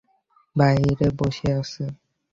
বাহিরে বসে আছে।